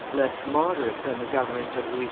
less moderate than the government of Louis XV.